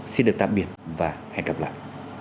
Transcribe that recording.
xin được tạm biệt và hẹn gặp lại